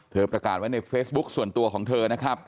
ประกาศไว้ในเฟซบุ๊คส่วนตัวของเธอนะครับ